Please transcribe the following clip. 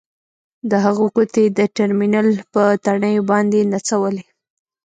د هغه ګوتې د ټرمینل په تڼیو باندې نڅولې